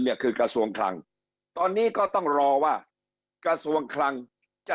เนี่ยคือกระทรวงคลังตอนนี้ก็ต้องรอว่ากระทรวงคลังจะ